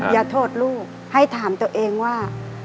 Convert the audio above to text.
อย่าโทษลูกให้ถามตัวเองว่า